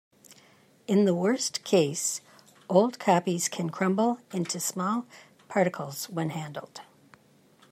In the worst case, old copies can crumble into small particles when handled.